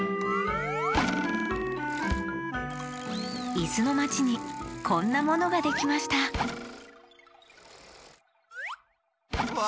いすのまちにこんなものができましたわあ。